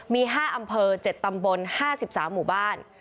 มี๕อำเภอ๗ตำบล๕๓หมู่บ้าน